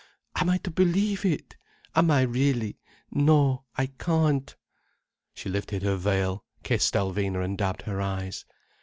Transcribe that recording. Am I to believe it?—am I really? No, I can't." She lifted her veil, kissed Alvina, and dabbed her eyes.